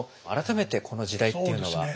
改めてこの時代っていうのは？